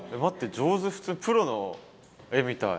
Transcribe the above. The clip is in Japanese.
上手プロの絵みたい。